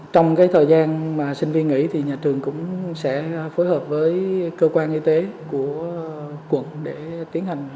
trong cái thời gian mà sinh viên nghỉ thì nhà trường cũng sẽ phối hợp với cơ quan y tế của quận để tiến hành